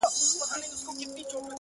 زما د سيمي د ميوند شاعري ؛